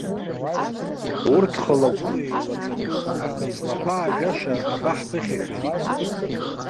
Урҭ хыла-гәыла еилаҵатәуп, аха излаԥаажәаша абаҳԥыхьашәари?